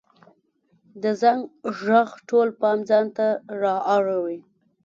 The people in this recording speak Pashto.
د زنګ ږغ ټول پام ځانته را اړوي.